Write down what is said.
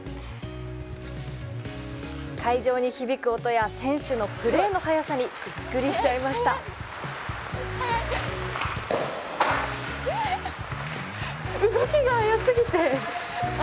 会場に響く音や選手のプレーの速さにびっくりしちゃいましたうわっ！